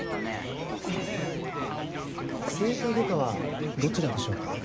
整形外科はどちらでしょうか？